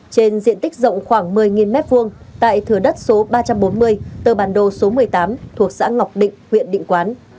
trên diện tích rộng khoảng một mươi m hai tại thừa đất số ba trăm bốn mươi tờ bản đồ số một mươi tám thuộc xã ngọc định huyện định quán